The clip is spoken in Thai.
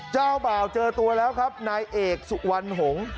เจ้าบ่าวเจอตัวแล้วครับนายเอกสุวรรณหงษ์